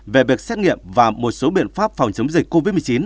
về việc xét nghiệm và một số biện pháp phòng chống dịch covid một mươi chín